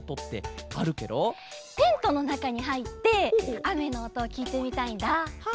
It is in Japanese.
テントのなかにはいってあめのおとをきいてみたいんだ。